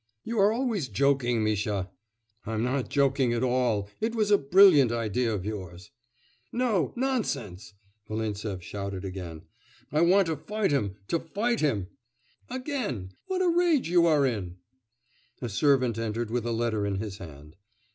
'You are always joking, Misha!' 'I'm not joking at all. It was a brilliant idea of yours.' 'No; nonsense!' Volintsev shouted again. 'I want to fight him, to fight him!...' 'Again! What a rage you are in!' A servant entered with a letter in his hand.